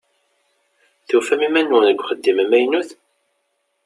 Tufam iman-nwen deg uxeddim amaynut?